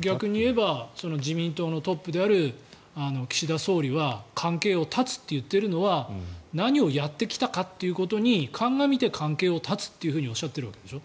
逆に言えば自民党のトップである岸田総理は関係を絶つといっているのは何をやってきたかということに鑑みて関係を絶つっておっしゃっているわけでしょ。